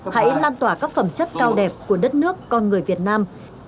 hãy lan tỏa các phẩm chất cao đẹp của đất nước con người việt nam